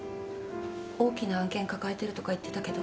大きな案件抱えてるとか言ってたけど。